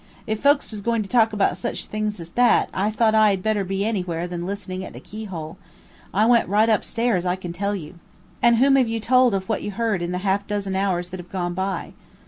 If folks was going to talk about such things as that, I thought I had better be anywhere than listening at the keyhole. I went right up stairs I can tell you." "And whom have you told of what you heard in the half dozen hours that have gone by?"